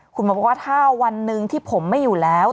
คุณหมอบอกว่าถ้าวันหนึ่งที่ผมไม่อยู่แล้ว